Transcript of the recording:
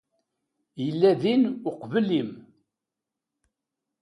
Yella din uqbel-im.